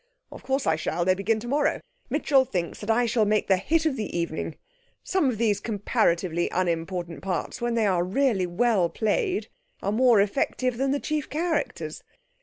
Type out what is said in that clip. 'Of course I shall; they begin tomorrow. Mitchell thinks that I shall make the hit of the evening. Some of these comparatively unimportant parts, when they are really well played, are more effective than the chief characters.